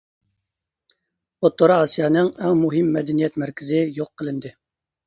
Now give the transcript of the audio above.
ئوتتۇرا ئاسىيانىڭ ئەڭ مۇھىم مەدەنىيەت مەركىزى يوق قىلىندى.